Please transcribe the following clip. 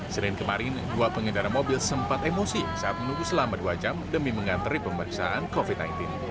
senin kemarin dua pengendara mobil sempat emosi saat menunggu selama dua jam demi mengantri pemeriksaan covid sembilan belas